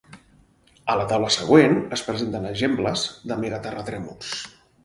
A la taula següent es presenten exemples de megaterratrèmols.